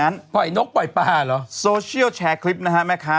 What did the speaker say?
ปล่อยนกปล่อยปลาเหรอโซเชียลแชร์คลิปนะฮะแม่ค้า